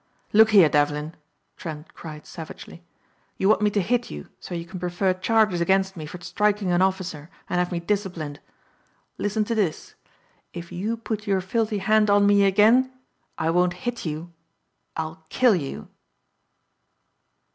"Look here, Devlin," Trent cried savagely, "you want me to hit you so you can prefer charges against me for striking an officer and have me disciplined. Listen to this: if you put your filthy hand on me again I won't hit you, I'll kill you."